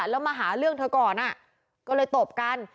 แล้วมาหาเรื่องเธอก่อนก็เลยตบกัน